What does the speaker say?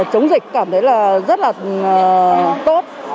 chống dịch cảm thấy là rất là tốt